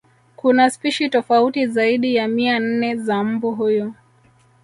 Kuna spishi tofauti zaidi ya mia nne za mbu huyu